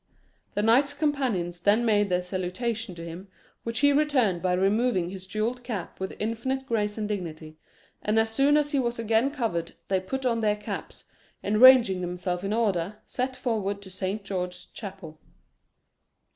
The knights companions then made their salutation to him, which he returned by removing his jewelled cap with infinite grace and dignity, and as soon as he was again covered they put on their caps, and ranging themselves in order, set forward to Saint George's Chapel.